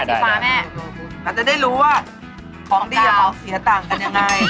ได้มันจะได้รู้ว่าของดีมองเหญอต่างกันยังไง